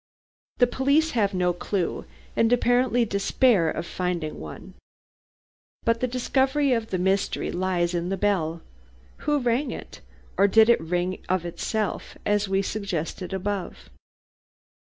The police have no clue, and apparently despair of finding one. But the discovery of the mystery lies in the bell. Who rang it? or did it ring of itself, as we suggest above."